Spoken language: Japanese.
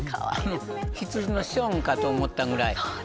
羊のショーンかと思ったくらい。